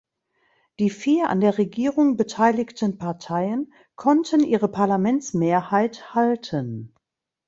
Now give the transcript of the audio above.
Die vier an der Regierung beteiligten Parteien konnten ihre Parlamentsmehrheit halten.